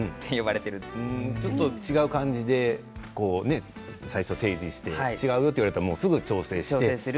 ちょっと違う感じで提示して違うと言われたらすぐに調整して。